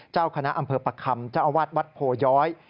เจ้าคณะอำเภอประคำเจ้าอาวาสวัดโพย้อย